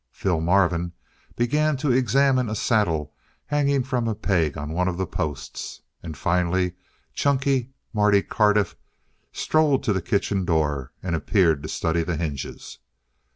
Phil Marvin began to examine a saddle hanging from a peg on one of the posts, and finally, chunky Marty Cardiff strolled to the kitchen door and appeared to study the hinges.